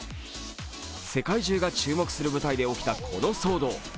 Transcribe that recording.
世界中が注目する舞台で起きたこの騒動。